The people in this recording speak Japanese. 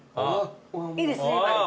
いいですね？